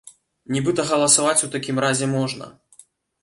Нібыта галасаваць у такім разе можна.